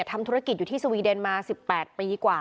ทำธุรกิจอยู่ที่สวีเดนมา๑๘ปีกว่า